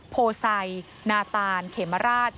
โพไซนาตานเขมราช